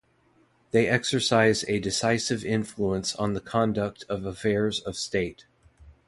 They exercise a decisive influence on the conduct of affairs of state.